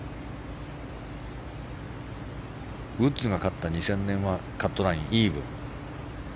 ウッズが勝った２０００年はカットライン、イーブン。